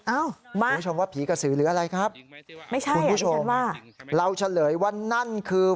อ้าวมาคุณผู้ชมว่าผีกระสือหรืออะไรครับคุณผู้ชมเราเฉลยว่านั่นคือ